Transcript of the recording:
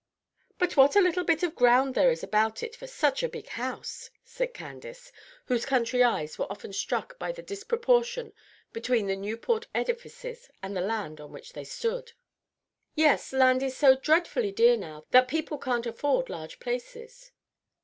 "But what a little bit of ground there is about it for such a big house!" said Candace, whose country eyes were often struck by the disproportion between the Newport edifices and the land on which they stood. "Yes; land is so dreadfully dear now that people can't afford large places."